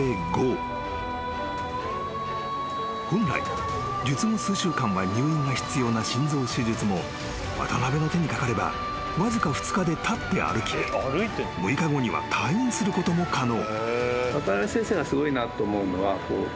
［本来術後数週間は入院が必要な心臓手術も渡邊の手にかかればわずか２日で立って歩き６日後には退院することも可能］